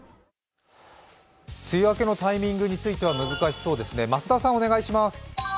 梅雨明けのタイミングについては難しそうですね。